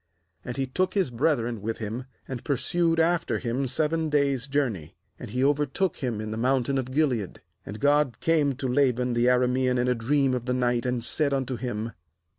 ^And he took his brethren with him, and pursued after him seven days' journey; and he overtook him in the mountain of Gilead. ^And God came to Laban the Aramean in a dream of the night, and said unto him.